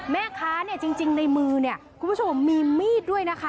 แม่ค้าเนี่ยจริงในมือเนี่ยคุณผู้ชมมีมีดด้วยนะคะ